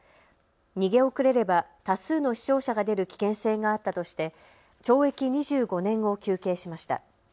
逃げ遅れれば多数の死傷者が出る危険性があったとして懲役２５年を求刑しました。